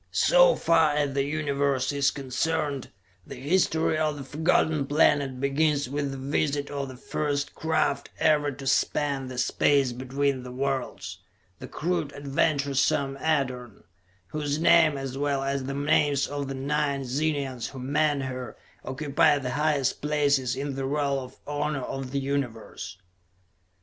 So far as the Universe is concerned, the history of the Forgotten Planet begins with the visit of the first craft ever to span the space between the worlds: the crude, adventuresome Edorn, whose name, as well as the names of the nine Zenians who manned her, occupy the highest places in the roll of honor of the Universe.